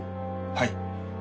はい。